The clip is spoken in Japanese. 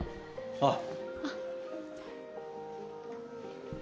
あっ！